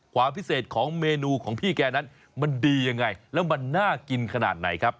ความพิเศษของเมนูของพี่แกนั้นมันดียังไงแล้วมันน่ากินขนาดไหนครับ